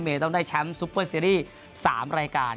ต้องได้แชมป์ซุปเปอร์ซีรีส์๓รายการ